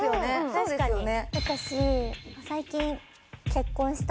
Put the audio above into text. そうですよね。